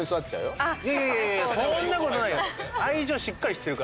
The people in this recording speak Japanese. いやいやそんなことないよ。